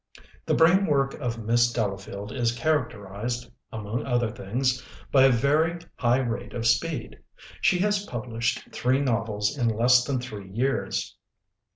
The brainwork of Miss Delafield is characterized, among other things, by a very high rate of speed: she has published three novels in less than three years.